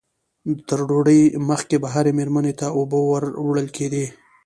تر ډوډۍ مخکې به هرې مېرمنې ته اوبه ور وړل کېدې.